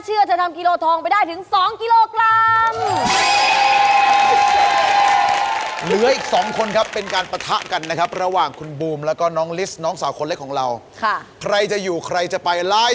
สุดที่รักคุณลิสต์ได้ผลัดสารนั่นเองครับ